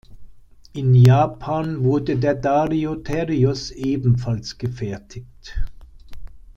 In Japan wurde der Dario Terios ebenfalls gefertigt.